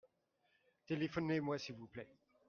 Téléphonez-moi s'il vous plait.